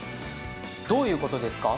どういうことですか？